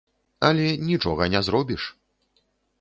Але нічога не зробіш!